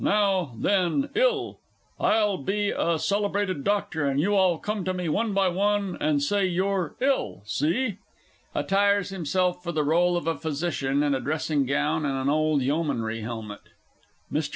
Now then "ill." I'll be a celebrated Doctor, and you all come to me one by one, and say you're ill see? [Attires himself for the rôle of a Physician in a dressing gown and an old yeomanry helmet. MR.